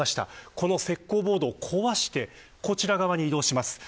この石こうボードを壊してこちら側に移動します。